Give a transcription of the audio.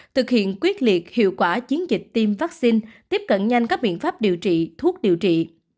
thực hiện quyết liệt hiệu quả chiến dịch tiêm vaccine tiếp cận nhanh các biện pháp điều trị thuốc điều trị